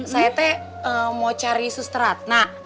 saya teh mau cari sustrad